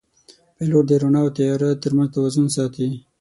پیلوټ د رڼا او تیاره ترمنځ توازن ساتي.